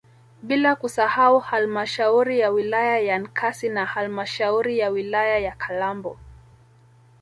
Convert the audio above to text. bila kusahau halmashauri ya wilaya ya Nkasi na halmashauri ya wilaya ya Kalambo